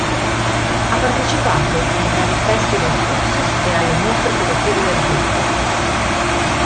Ha partecipato ai vari Festival Fluxus, e alle mostre collettive del gruppo.